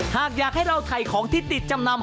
หากอยากให้เราถ่ายของที่ติดจำนำ